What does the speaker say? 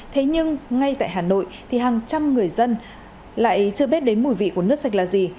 thế nhưng ngay tại hà nội thì hàng trăm người dân lại chưa biết đến mùi vị của nước sạch là gì